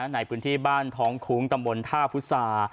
ในพื้นที่บ้านท้องคุ้งตำบลท่าพุษา